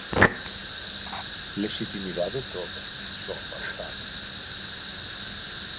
Lexitimidade toda, só faltaba.